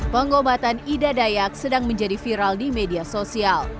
pengobatan ida dayak sedang menjadi viral di media sosial